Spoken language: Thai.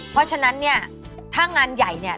เพราะฉะนั้นเนี่ยถ้างานใหญ่เนี่ย